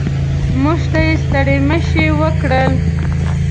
موږ ته یې ستړي مه شي وکړل.